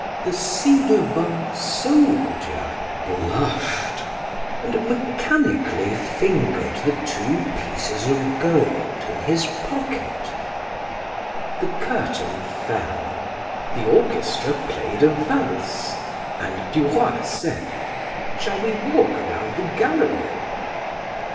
The ci devant soldier blushed and mechanically fingered the two pieces of gold in his pocket. The curtain fell the orchestra played a valse and Duroy said: "Shall we walk around the gallery?"